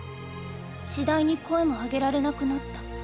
次第に声もあげられなくなった。